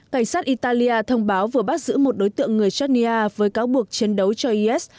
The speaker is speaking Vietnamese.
cảnh sát italia thông báo vừa bắt giữ một đối tượng người genia với cáo buộc chiến đấu cho is